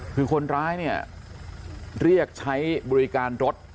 คือคนร้ายเนี่ยเรียกใช้บริการรถ